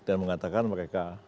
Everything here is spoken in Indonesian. dan mengatakan mereka